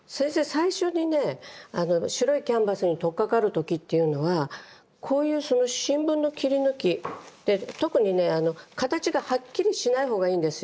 最初にね白いキャンバスにとっかかる時っていうのはこういう新聞の切り抜きで特にね形がはっきりしない方がいいんですよ。